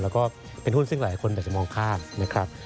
แล้วก็เป็นหุ้นซึ่งหลายคนอาจจะมองข้ามนะครับ